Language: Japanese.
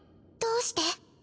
どうして？